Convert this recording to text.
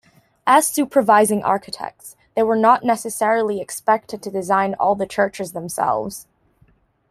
As supervising architects they were not necessarily expected to design all the churches themselves.